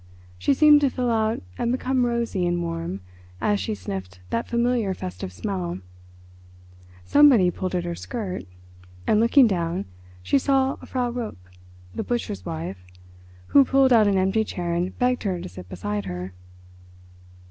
She seemed to fill out and become rosy and warm as she sniffed that familiar festive smell. Somebody pulled at her skirt, and, looking down, she saw Frau Rupp, the butcher's wife, who pulled out an empty chair and begged her to sit beside her.